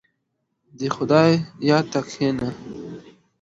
• د خدای یاد ته کښېنه.